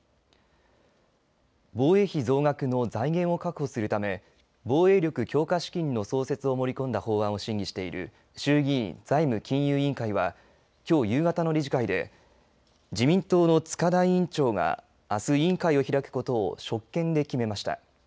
防衛費増額の財源を確保するため防衛力強化資金の創設を盛り込んだ法案を審議している衆議院財務金融委員会はきょう夕方の理事会で自民党の塚田委員長があす委員会を開くことを職権で決めました。